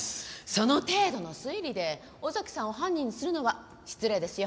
その程度の推理で尾崎さんを犯人にするのは失礼ですよ。